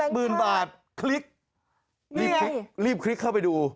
หมื่นบาทคลิกรีบคลิกเข้าไปดู